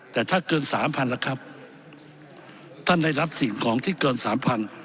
แต่ถ้าเกิน๓๐๐๐ละครับท่านได้รับสิ่งของที่เกิน๓๐๐๐